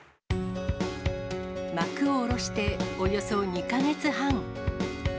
幕を下ろして、およそ２か月半。